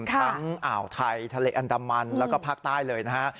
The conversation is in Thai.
ทั้งอ่าวไทยทะเลอันตมรรณแล้วก็ภาคใต้เลยนะฮะ